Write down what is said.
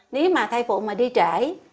nếu mà thai phụ mà đi trễ